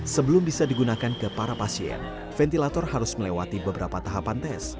sebelum bisa digunakan ke para pasien ventilator harus melewati beberapa tahapan tes